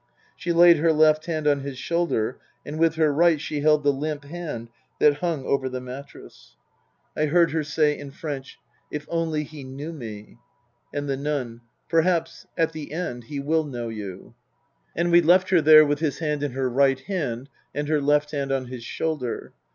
She laid her left hand on his shoulder and with her right she held the limp hand that hung over the mattress. 312 Tasker Jevons I heard her say in French, " If only he knew me " And the nun, " Perhaps at the end he will know you." And we left her there with his hand in her right hand and her left hand on his shoulder.